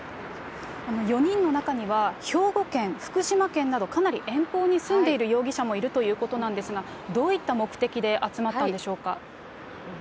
４人の中には、兵庫県、福島県など、かなり遠方に住んでいる容疑者もいるということなんですが、どういった目的で集まったんでしょうか。